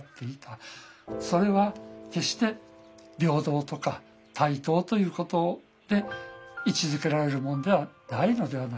それは決して平等とか対等ということで位置づけられるものではないのではないか。